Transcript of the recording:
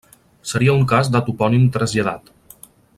Seria un cas de topònim traslladat.